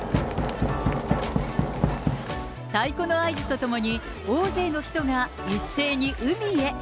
太鼓の合図と共に、大勢の人が一斉に海へ。